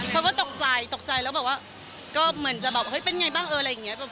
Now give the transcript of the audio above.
เขาก็ตกใจก็เหมือนจะบอกแล้วเป็นมั๊ยเอออะไรเงี่ย